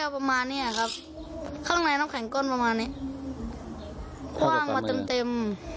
ประมาณเนี้ยครับข้างในน้ำแข็งก้นประมาณเนี้ยคว่างมาเต็มเต็ม